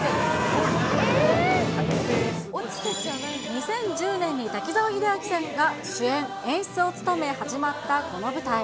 ２０１０年に滝沢秀明さんが主演・演出を務め始まったこの舞台。